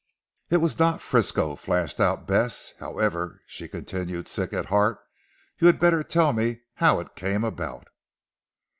"It was not Frisco," flashed out Bess, "However," she continued sick at heart, "you had better tell me how it came about."